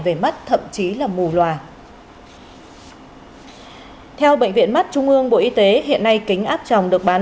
về mắt thậm chí là mù loà theo bệnh viện mắt trung ương bộ y tế hiện nay kính áp chồng được bán